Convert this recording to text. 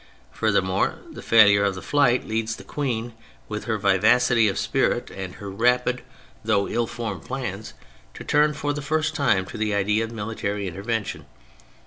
Furthermore, the failure of the flight leads the Queen, with her vivacity of spirit and her rapid though 154 THE FRENCH REVOLUTION ill formed plans, to turn for the first time to the idea of military intervention.